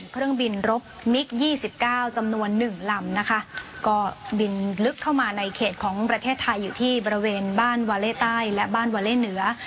เครื่องบินรบมิกยี่สิบเก้าจำนวนหนึ่งลำนะคะก็บินลึกเข้ามาในเขตของประเทศไทยอยู่ที่บริเวณบ้านวาเล่ใต้และบ้านวาเล่เหนือ